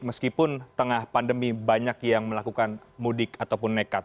meskipun tengah pandemi banyak yang melakukan mudik ataupun nekat